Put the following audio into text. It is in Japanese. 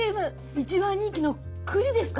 一番人気の栗ですか？